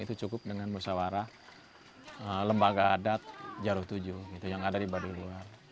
itu cukup dengan musawarah lembaga adat jarut tujuh yang ada di baduiluar